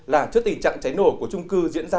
là trước tình trạng cháy nổ của trung cư diễn ra